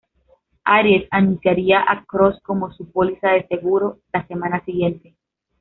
Aries anunciaría a Kross como su "póliza de seguro" la semana siguiente.